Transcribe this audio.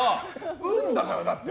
運だから、だって。